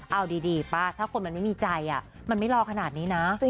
เอาดีป้าถ้าคนมันไม่มีใจมันไม่รอขนาดนี้นะ